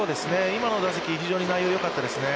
今の打席、非常に内容がよかったですね。